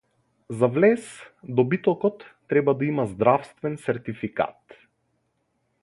За влез добитокот треба да има здравствен сертификат